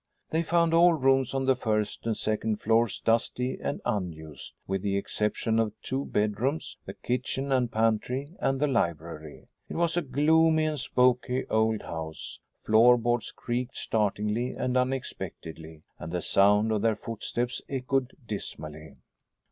They found all rooms on the first and second floors dusty and unused with the exception of two bedrooms, the kitchen and pantry, and the library. It was a gloomy and spooky old house. Floor boards creaked startlingly and unexpectedly and the sound of their footsteps echoed dismally.